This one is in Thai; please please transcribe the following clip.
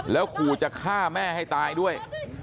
แล้วขู่จะฆ่าแม่ให้ตายด้วย